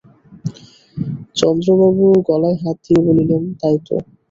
চন্দ্রবাবু গলায় হাত দিয়া বলিলেন, তাই তো!